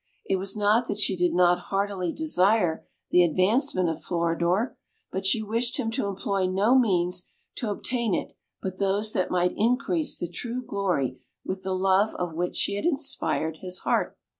It was not that she did not heartily desire the advancement of Floridor, but she wished him to employ no means to obtain it but those that might increase the true glory with the love of which she had inspired his heart.